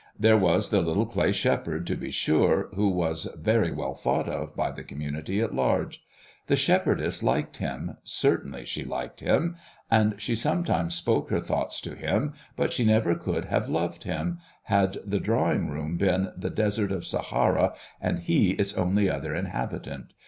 There was the little clay shepherd, to be sure, who was very well thought of by the community at large. The shepherdess liked him, certainly she liked him, and she sometimes spoke her thoughts to him, but she never could have loved him, had the drawing room been the Desert of Sahara and he its only other inhabitant.